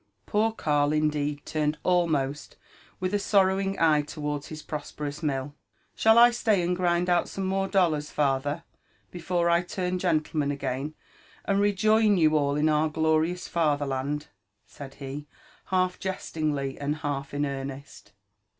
Poor Karl indeed turned almost with a sorrowing eye towards his prosperous mill. "Shall I slay and grind out some more dollars, father, bftfore I turn gentleman again, and rejoin you all in our glo rious Falherlandr' said he, half jestingly and half in earnest.